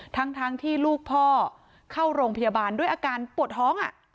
ทั้งที่ลูกพ่อเข้าโรงพยาบาลด้วยอาการปวดท้อง